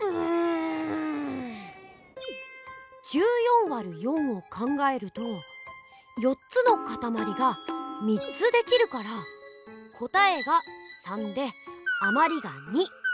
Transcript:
１４÷４を考えると４つのかたまりが３つできるから答えが３であまりが２。